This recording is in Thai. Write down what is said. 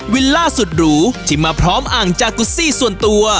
ล่าสุดหรูที่มาพร้อมอ่างจากุซี่ส่วนตัว